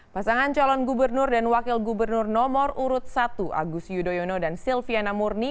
pasangan calon gubernur dan wakil gubernur nomor urut satu agus yudhoyono dan silviana murni